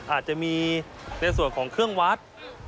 อาจจะมีในส่วนของเครื่องวัด